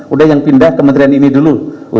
udah yang pindah kementerian ini dulu